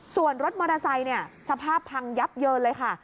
ส่วนรถมอเตอร์ไซค์สภาพพังยับเยินเลยค่ะ